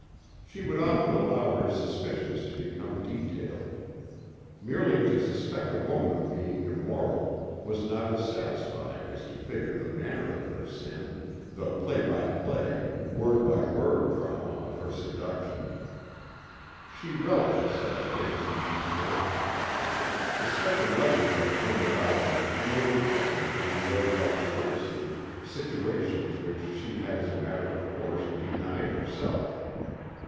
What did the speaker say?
She would often allow her suspicions to become detailed. Merely to suspect a woman of being immoral was not as satisfying as to figure the manner of her sin, the play by play, word by word drama of her seduction. She relished such fancied details. Suspecting others of immorality enabled Fanny to enjoy vicariously situations which she had as a matter of course denied herself.